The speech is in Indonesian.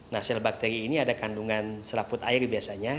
nah sel bakteri ini ada kandungan selaput air biasanya